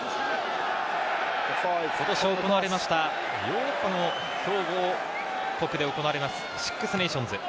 今年行われたヨーロッパの強豪国で行われるシックスネーションズ。